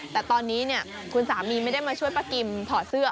แต่ตอนนี้คุณสามีไม่ได้มาช่วยป้ากิมถอดเสื้อ